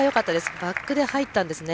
バックで入ったんです。